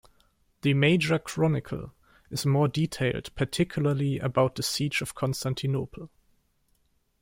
The "Major Chronicle" is more detailed particularly about the siege of Constantinople.